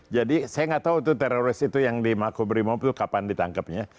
jadi saya nggak tahu teroris itu yang dimaku berimu itu kapan ditangkapnya